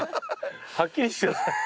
はっきりして下さい。